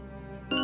tahan saja buatogg